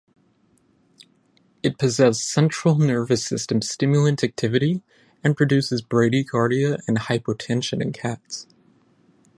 It possess central nervous system stimulant activity and produces bradycardia and hypotension in cats.